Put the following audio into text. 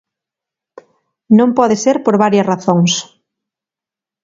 Non pode ser por varias razóns.